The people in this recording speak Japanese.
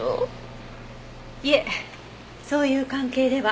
いえそういう関係では。